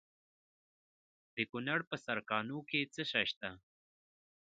د کونړ په سرکاڼو کې څه شی شته؟